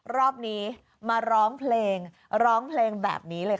รอบนี้มาร้องเพลงร้องเพลงแบบนี้เลย